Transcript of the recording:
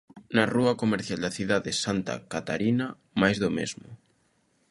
Na rúa comercial da cidade, Santa Catarina, máis do mesmo.